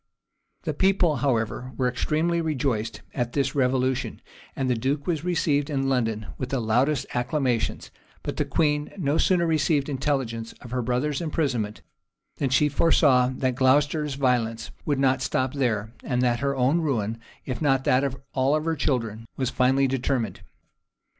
[] The people, however, were extremely rejoiced at this revolution; and the duke was received in London with the loudest acclamations: but the queen no sooner received intelligence of her brother's imprisonment, than she foresaw that Glocester's violence would not stop there, and that her own ruin, if not that of all her children, was finally determined.